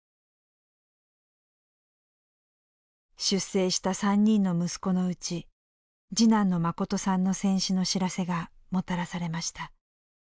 出征した３人の息子のうち次男の信さんの戦死の知らせがもたらされました。